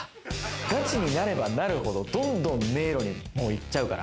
ガチになればなるほど、どんどん迷路にもう行っちゃうから。